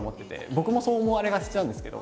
僕もそう思われがちなんですけど。